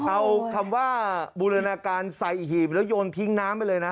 เอาคำว่าบูรณาการใส่หีบแล้วโยนทิ้งน้ำไปเลยนะ